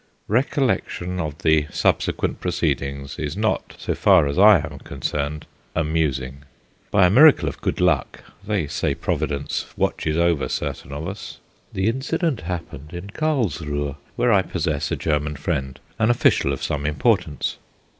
Recollection of the subsequent proceedings is not, so far as I am concerned, amusing. By a miracle of good luck they say Providence watches over certain of us the incident happened in Carlsruhe, where I possess a German friend, an official of some importance.